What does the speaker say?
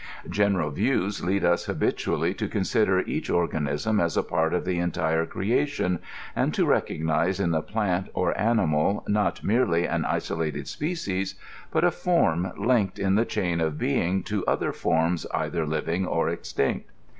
General views lead us habitu ally to consider each organism as a part of the entire creation, and to recognize in the plant or the animal not mefely an isolated species, but a form linked in the chain of ^^M^g to other forms either living or extinct.